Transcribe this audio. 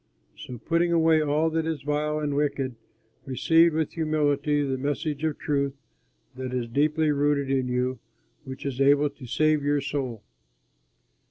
So putting away all that is vile and wicked, receive with humility the message of truth that is deeply rooted in you which is able to save your soul.